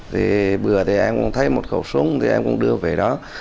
thì bừa thì em cũng thấy một khẩu súng thì em cũng đưa về đó